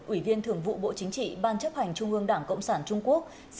ủy viên thường vụ bộ chính trị ban chấp hành trung ương đảng cộng sản trung quốc